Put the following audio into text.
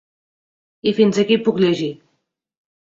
I fins aquí puc llegir.